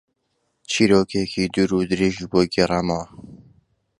چیرۆکێکی دوور و درێژی بۆ گێڕامەوە.